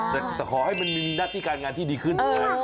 แต่ขอให้มันมีหน้าที่การงานที่ดีขึ้นถูกไหม